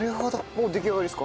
もう出来上がりですか？